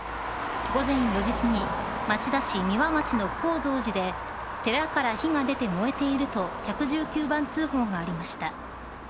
午前４時すぎ町田市三輪町の高蔵寺で寺から火が出て燃えていると１１９番通報がありました。